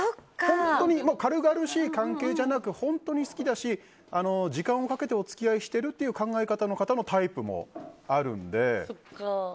軽々しい関係じゃなく本当に好きだし、時間をかけてお付き合いをしているという考え方のタイプもあるので。